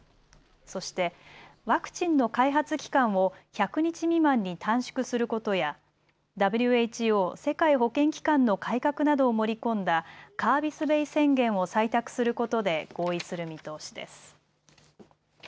そしてワクチンの開発期間を１００日未満に短縮することやＷＨＯ・世界保健機関の改革などを盛り込んだカービスベイ宣言を採択することで合意する見通しです。